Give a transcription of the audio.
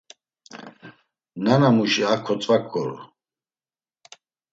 Nanamuşi a kotzvaǩoru.